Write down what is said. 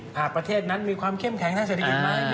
เพราะว่าประจำนั้นมีความเข้มแข็งใจเศรษฐกิจไหม